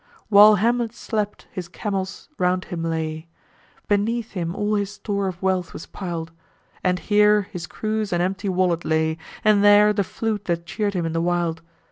While Hamet slept, his camels round him lay, Beneath him, all his store of wealth was piled; And here, his cruse and empty wallet lay, And there, the flute that chear'd him in the wild.